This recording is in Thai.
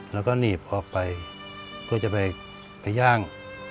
แล้วก็หนีบออกไปเพื่อจะไปย่าง